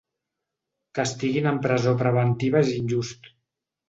Que estiguin en presó preventiva és injust.